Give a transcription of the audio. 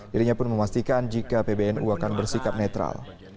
dirinya pun memastikan jika pbnu akan bersikap netral